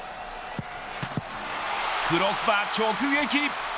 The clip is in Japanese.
クロスバー直撃。